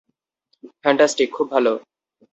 Fantastic, খুব ভালো।